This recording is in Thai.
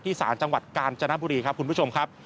ศาลจังหวัดกาญจนบุรีครับคุณผู้ชมครับ